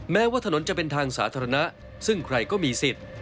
ว่าถนนจะเป็นทางสาธารณะซึ่งใครก็มีสิทธิ์